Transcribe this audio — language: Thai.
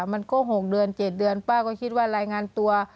มันก็๖เดือน๗เดือนป้าก็คิดว่ารายงานตัว